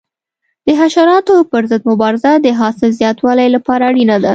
د حشراتو پر ضد مبارزه د حاصل زیاتوالي لپاره اړینه ده.